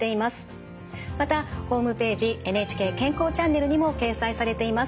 またホームページ「ＮＨＫ健康チャンネル」にも掲載されています。